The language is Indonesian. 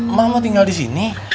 emak mau tinggal di sini